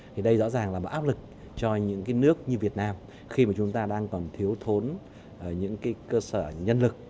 thì đây rõ ràng là áp lực cho những cái nước như việt nam khi mà chúng ta đang còn thiếu thốn những cái cơ sở nhân lực